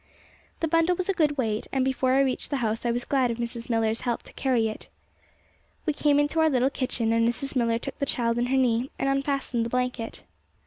The bundle was a good weight, and before I reached the house I was glad of Mrs. Millar's help to carry it. We came into our little kitchen, and Mrs. Millar took the child on her knee and unfastened the blanket.